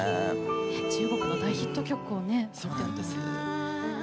中国の大ヒット曲をね。